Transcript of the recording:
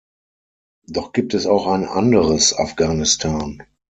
Doch gibt es auch ein anderes Afghanistan.